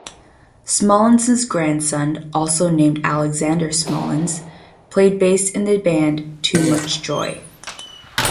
Smallens' grandson, also named Alexander Smallens, played bass in the band Too Much Joy.